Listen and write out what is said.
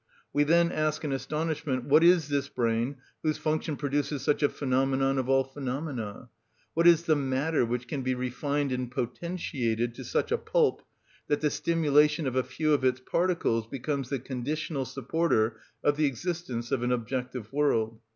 We then ask in astonishment: what is this brain whose function produces such a phenomenon of all phenomena? What is the matter which can be refined and potentiated to such a pulp that the stimulation of a few of its particles becomes the conditional supporter of the existence of an objective world?